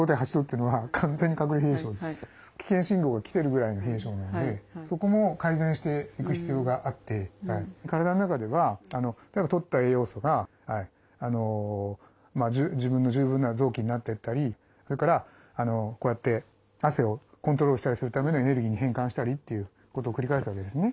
危険信号が来てるぐらいの冷え症なのでそこも改善していく必要があって体の中ではとった栄養素が自分の十分な臓器になってったりそれからこうやって汗をコントロールしたりするためのエネルギーに変換したりということを繰り返すわけですね。